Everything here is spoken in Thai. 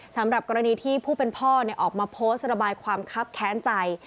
สำหรับกรณีที่ผู้เป็นพ่อออกมาโพสต์ระบายความคับแค้นใจ